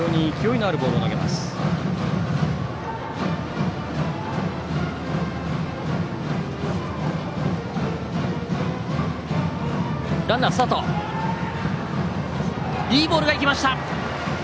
いいボールが行きました！